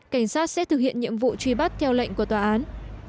cảnh sát sẽ thực hiện nhiệm vụ truy bắt theo lệnh của tòa án